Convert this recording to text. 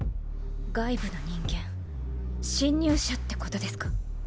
外部の人間侵入者ってことですか？